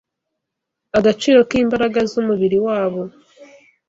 agaciro k’imbaraga z’umubiri wabo